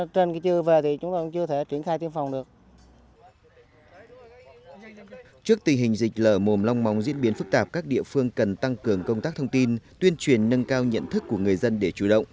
trước tình hình dịch lở mồm long móng diễn biến phức tạp các địa phương cần tăng cường công tác thông tin tuyên truyền nâng cao nhận thức của người dân để chủ động